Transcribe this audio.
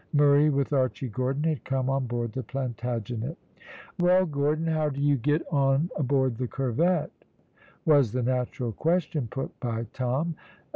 Murray, with Archy Gordon, had come on board the Plantagenet. "Well, Gordon, how do you get on aboard the corvette?" was the natural question put by Tom.